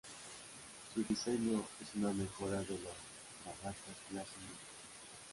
Su diseño es una mejora del de las fragatas Clase Lupo.